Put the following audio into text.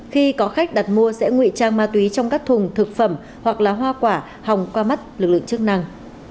khi có khách đặt mua sẽ ngụy trang ma túy trong các thùng thực phẩm hoặc là hoa quả hồng qua mắt lực lượng chức năng